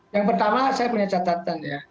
yang pertama saya punya catatan ya